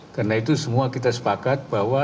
karena itu semua kita sepakat bahwa